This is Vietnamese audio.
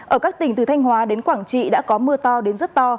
ở các tỉnh từ thanh hóa đến quảng trị đã có mưa to đến rất to